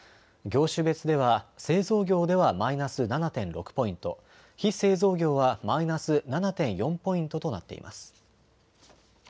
業種別では製造業ではマイナス７．６ポイント、非製造業はマイナス７．４ポイントとなっています。